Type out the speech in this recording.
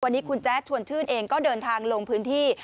วันนี้คุณแจ๊ดชวนชื่นเองก็เดินทางลงพื้นที่